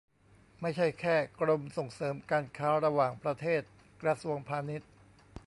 ไม่ใช่แค่ กรมส่งเสริมการค้าระหว่างประเทศ กระทรวงพาณิชย์